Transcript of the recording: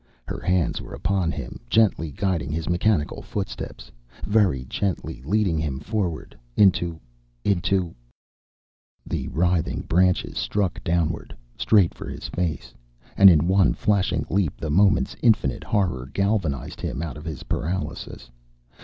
Her hands were upon him, gently guiding his mechanical footsteps, very gently leading him forward into into The writhing branches struck downward, straight for his face. And in one flashing leap the moment's infinite horror galvanized him out of his paralysis.